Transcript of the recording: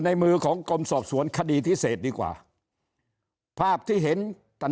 ในมือของกรมสอบสวนคดีพิเศษดีกว่าภาพที่เห็นตัด